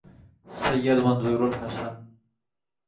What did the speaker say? سید Manzoor الحسن